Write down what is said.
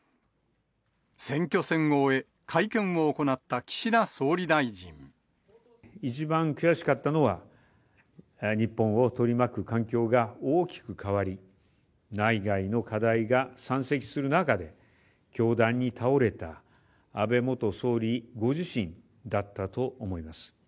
選挙戦を終え、一番悔しかったのは、日本を取り巻く環境が大きく変わり、内外の課題が山積する中で、凶弾に倒れた安倍元総理ご自身だったと思います。